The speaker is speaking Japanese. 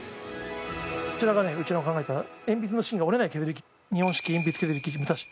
こちらが、うちの考えた鉛筆の芯が折れない日本式鉛筆削り器６３４。